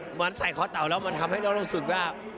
เหมือนใส่คอเต่าแล้วมันทำให้เรารู้สึกว่า